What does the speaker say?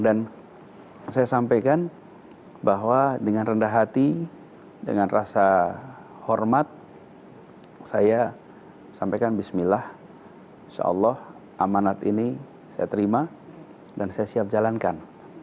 dan saya sampaikan bahwa dengan rendah hati dengan rasa hormat saya sampaikan bismillah insyaallah amanat ini saya terima dan saya siap jalankan